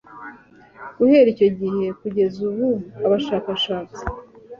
guhera icyo gihe kugeza ubu abashakatsi